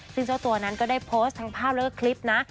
ซึ่งเจ้าตัวนั้นก็ได้โพสต์ทั้งภาพแล้วก็คลิปนะ